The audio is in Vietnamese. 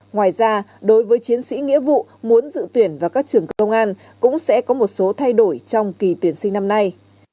ngoài ra đối với chiến sĩ nghĩa vụ muốn dự tuyển vào các trường công an cũng sẽ có một số thay đổi trong kỳ tuyển sinh năm nay